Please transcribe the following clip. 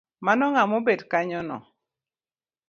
Mano ngama obet kanyono.